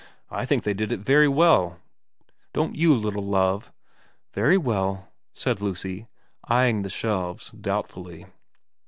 I think they did it very well, don't you little Love ?'' Very well,' said Lucy, eyeing the shelves doubtfully.